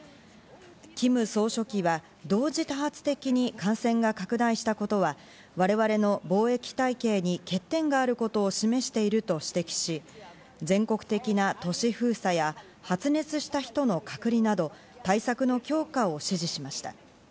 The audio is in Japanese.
キム総書記は、同時多発的に感染が拡大したことは我々の防疫体系に欠点があることを示していると指摘し、全国的な都市封鎖や発熱した人の隔離など対策の強化を指示しました。